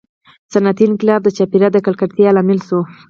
• صنعتي انقلاب د چاپېریال د ککړتیا لامل شو.